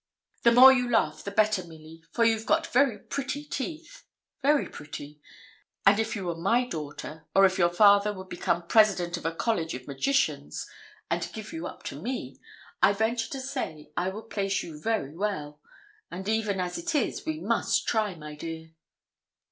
'The more you laugh the better, Milly, for you've got very pretty teeth very pretty; and if you were my daughter, or if your father would become president of a college of magicians, and give you up to me, I venture to say I would place you very well; and even as it is we must try, my dear.'